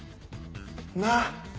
なっ？